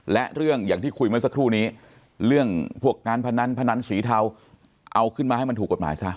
และเรื่องอย่างที่คุยเมื่อสักครู่นี้เรื่องพวกการพนันพนันสีเทาเอาขึ้นมาให้มันถูกกฎหมายซะ